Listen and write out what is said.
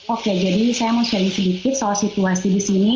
oke jadi saya mau sharing sedikit soal situasi di sini